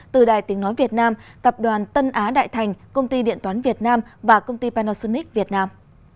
từ đài tiếng nói việt nam tập đoàn tân á đại thành công ty điện toán việt nam và công ty panasonic việt nam